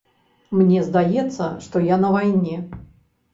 Мне здаецца, што я на вайне.